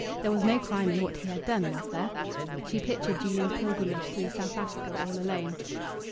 There was no crime in what he had done ... was there? She pictured Julian's pilgrimage through South Africa, all alone.